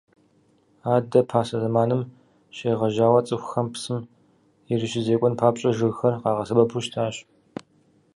Адэ пасэ зэманым щегъэжьауэ цӏыхухэм псым ирищызекӏуэн папщӏэ жыгхэр къагъэсэбэпу щытащ.